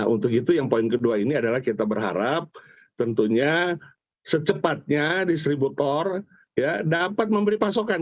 untuk itu yang poin kedua ini adalah kita berharap tentunya secepatnya distributor dapat memberi pasokan